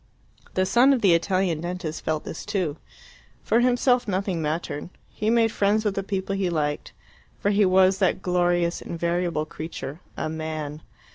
The son of the Italian dentist felt this too. For himself nothing mattered; he made friends with the people he liked, for he was that glorious invariable creature, a man.